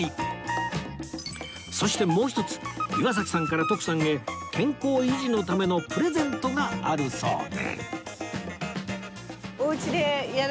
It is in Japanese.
そしてもう一つ岩崎さんから徳さんへ健康維持のためのプレゼントがあるそうで